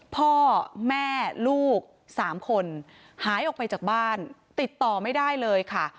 พ่อแม่ลูก๓คนหายออกไปจากบ้านติดต่อไม่ได้เลยค่ะ